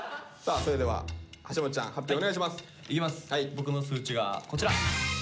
僕の数値がこちら。